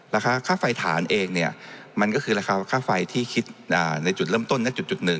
ราคาค่าไฟฐานเองเนี่ยมันก็คือราคาค่าไฟที่คิดในจุดเริ่มต้นนะจุดหนึ่ง